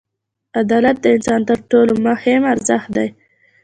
• عدالت د انسان تر ټولو مهم ارزښت دی.